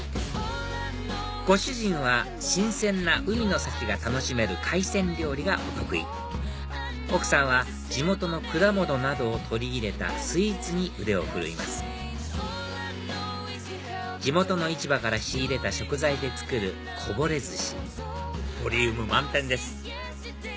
ご主人は新鮮な海の幸が楽しめる海鮮料理がお得意奥さんは地元の果物などを取り入れたスイーツに腕を振るいます地元の市場から仕入れた食材で作るこぼれ寿司ボリューム満点です